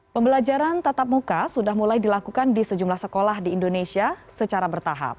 pembelajaran tatap muka sudah mulai dilakukan di sejumlah sekolah di indonesia secara bertahap